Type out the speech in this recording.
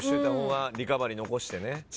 リカバリー残してね。